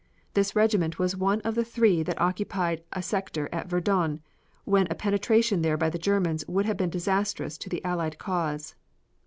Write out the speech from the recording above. This regiment was one of the three that occupied a sector at Verdun when a penetration there by the Germans would have been disastrous to the Allied cause.